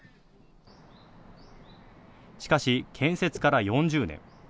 しかし建設から４０年。